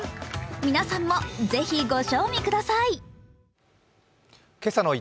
皆さんもぜひご賞味ください。